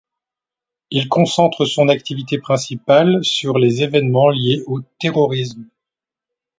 Il concentre son activité principale sur les événements liés au terrorisme.